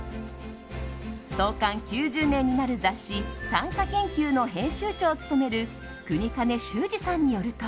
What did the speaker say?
創刊９０年になる雑誌「短歌研究」の編集長を務める國兼秀二さんによると。